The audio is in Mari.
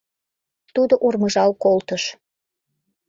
— тудо урмыжал колтыш.